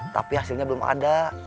tapi hasilnya belum ada